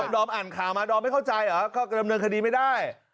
ดอมอ่านข่าวมาดอมไม่เข้าใจเหรอเขาก็เริ่มเริ่มคดีไม่ได้